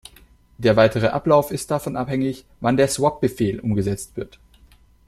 Der weitere Ablauf ist davon abhängig, wann der "Swap"-Befehl umgesetzt wird.